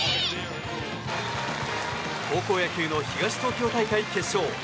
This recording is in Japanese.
高校野球の東東京大会決勝。